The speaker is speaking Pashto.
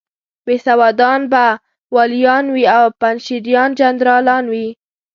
بېسوادان به والیان وي او پنجشیریان جنرالان وي.